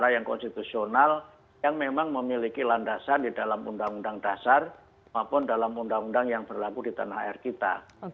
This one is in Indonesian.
yang konstitusional yang memang memiliki landasan di dalam undang undang dasar maupun dalam undang undang yang berlaku di tanah air kita